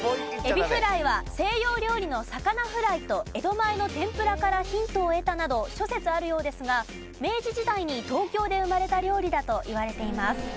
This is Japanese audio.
エビフライは西洋料理の魚フライと江戸前の天ぷらからヒントを得たなど諸説あるようですが明治時代に東京で生まれた料理だといわれています。